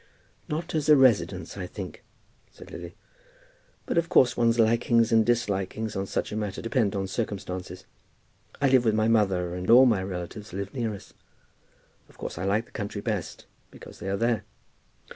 "Not as a residence, I think," said Lily. "But of course one's likings and dislikings on such a matter depend on circumstances. I live with my mother, and all my relatives live near us. Of course I like the country best, because they are there."